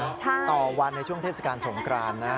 ใช่ต่อวันในช่วงเทศการทรงการนะ